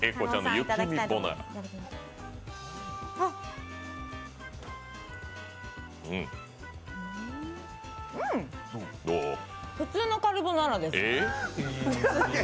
うん、普通のカルボナーラです。